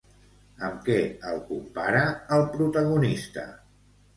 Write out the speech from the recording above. Amb què el compara el protagonista?